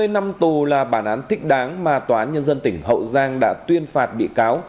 hai mươi năm tù là bản án thích đáng mà tòa án nhân dân tỉnh hậu giang đã tuyên phạt bị cáo